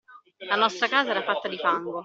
La nostra casa era fatta di fango.